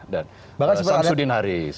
dan samsudin haris